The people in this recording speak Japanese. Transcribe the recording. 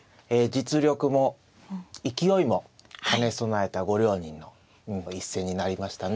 実力も勢いも兼ね備えたご両人の一戦になりましたね。